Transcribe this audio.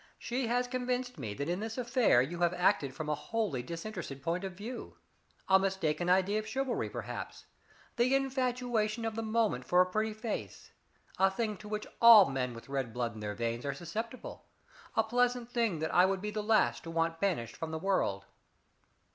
"She has convinced me that in this affair you have acted from a wholly disinterested point of view. A mistaken idea of chivalry, perhaps. The infatuation of the moment for a pretty face a thing to which all men with red blood in their veins are susceptible a pleasant thing that I would be the last to want banished from the world."